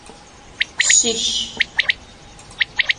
Şsiş.